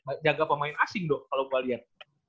lu banyak jaga pemain asing do kalo gua liat